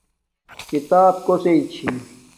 کھیتاپ کوسݵ چھی